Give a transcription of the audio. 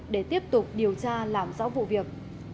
để tiếp tục điều tra làm rõ vụ việc